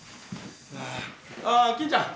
ああ金ちゃん。